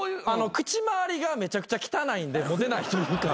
口周りがめちゃくちゃ汚いんでモテないというか。